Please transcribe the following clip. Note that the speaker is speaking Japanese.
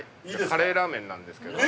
◆カレーラーメンなんですけど。